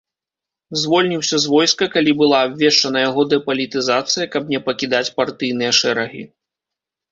Звольніўся з войска, калі была абвешчана яго дэпалітызацыя, каб не пакідаць партыйныя шэрагі.